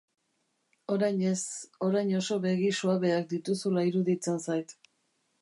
Orain ez, orain oso begi suabeak dituzula iruditzen zait.